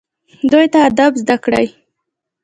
دوی ته ادب زده کړئ